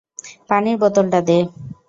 পানির বোতলটা দে।